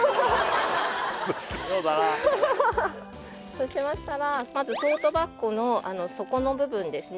そうしましたらまずトートバッグの底の部分ですね